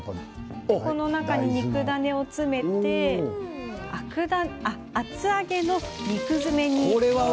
この中に肉ダネを詰めて厚揚げの肉詰めに。